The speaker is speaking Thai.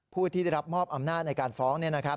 ผู้ที่ได้รับมอบอำนาจในการฟ้อง